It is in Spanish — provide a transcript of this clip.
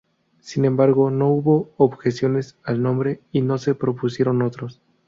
Sin embargo, no hubo objeciones al nombre, y no se propusieron otros.